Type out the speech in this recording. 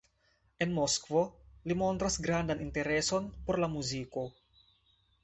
En Moskvo li montras grandan intereson por la muziko.